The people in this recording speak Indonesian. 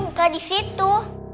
buka di situ